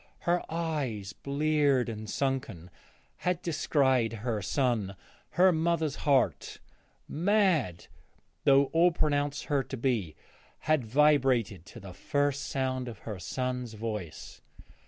Her eyes, bleared and sunken, had descried her son; her mother's heart, mad though all pronounced her to be, had vibrated to the first sound of her son's voice.